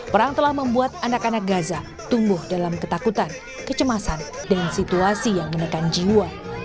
perang telah membuat anak anak gaza tumbuh dalam ketakutan kecemasan dan situasi yang menekan jiwa